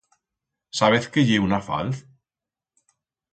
Sabez qué ye una falz?